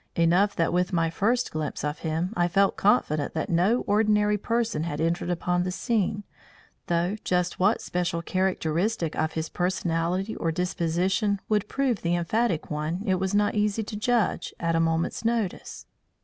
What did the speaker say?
Enough that with my first glimpse of him I felt confident that no ordinary person had entered upon the scene, though just what special characteristic of his personality or disposition would prove the emphatic one it was not easy to judge, at a moment's notice.